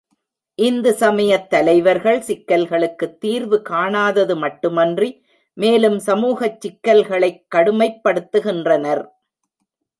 இந்து சமயத் தலைவர்கள் சிக்கல்களுக்குத் தீர்வு காணாதது மட்டுமன்றி மேலும் சமூகச் சிக்கல்களைக் கடுமைப்படுத்துகின்றனர்.